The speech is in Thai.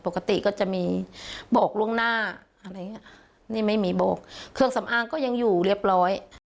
ปกติก็จะมีบอกล่วงหน้าอะไรอย่างเงี้ยนี่ไม่มีบอกเครื่องสำอางก็ยังอยู่เรียบร้อย